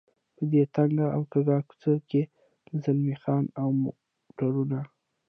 په دې تنګه او کږه کوڅه کې د زلمی خان او موټرونه.